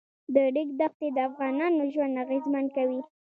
د ریګ دښتې د افغانانو ژوند اغېزمن کوي.